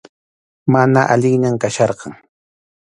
Mana allinllañam kachkarqan.